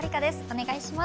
お願いします。